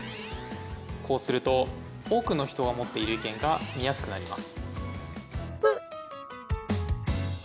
こうすると多くの人が持っている意見が見やすくなります。